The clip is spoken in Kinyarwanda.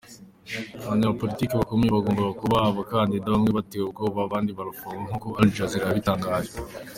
Abanyapolitiki bakomeye bagombaga kuba abakandida bamwe batewe ubwoba abandi barafungwa nkuko Aljazeera yabitangaje.